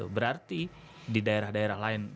berarti di daerah daerah lain